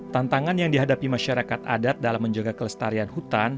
tantangan yang dihadapi masyarakat adat dalam menjaga kelestarian hutan